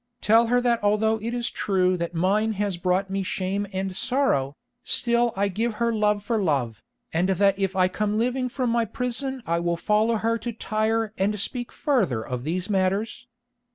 Tell her that although it is true that mine has brought me shame and sorrow, still I give her love for love, and that if I come living from my prison I will follow her to Tyre and speak further of these matters.